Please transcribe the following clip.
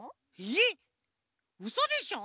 えっうそでしょ！？